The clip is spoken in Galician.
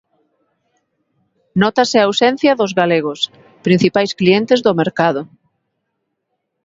Nótase a ausencia dos galegos, principais clientes do mercado.